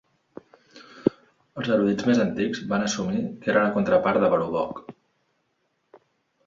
Els erudits més antics van assumir que era la contrapart de Belobog.